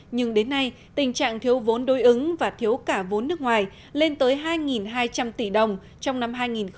nhưng đến nay tình trạng thiếu vốn đối ứng và thiếu cả vốn nước ngoài lên tới hai hai trăm linh tỷ đồng trong năm hai nghìn một mươi chín